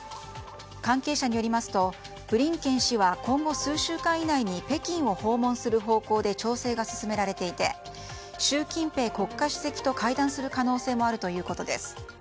関係者によりますとブリンケン氏は今後数週間以内に北京を訪問する方向で調整が進められていて習近平国家主席と会談する可能性もあるということです。